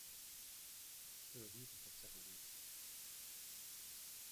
The review can take several weeks.